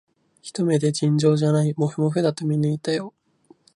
ひと目で、尋常でないもふもふだと見抜いたよ